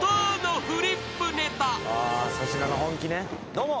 どうも。